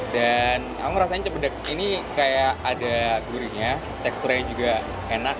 dan aku rasanya cempedak ini kayak ada gurihnya teksturnya juga enak